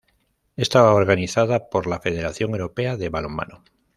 Está organizada por la Federación Europea de Balonmano.